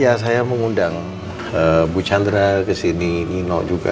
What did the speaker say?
ya saya mengundang bu chandra kesini nino juga